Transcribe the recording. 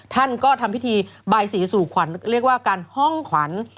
ท่านก็ทำพิธีบายสีสู่ขวัญเรียกว่าการห้องขวัญ